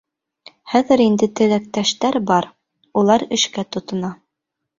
Хәҙер инде «теләктәштәр» бар, улар эшкә тотона.